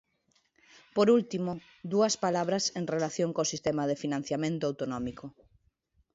Por último, dúas palabras en relación co sistema de financiamento autonómico.